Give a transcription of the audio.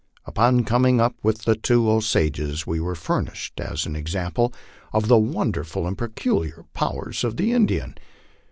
Upon coming up with the two Osages we were furnished an example of the wonderful and peculiar powers of the Indian.